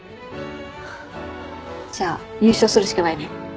じゃあ優勝するしかないね。